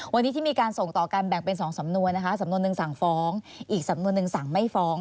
วันนี้ที่มีการส่งต่อกันแบ่งเป็น๒สำนวนนะคะสำนวนหนึ่งสั่งฟ้องอีกสำนวนหนึ่งสั่งไม่ฟ้อง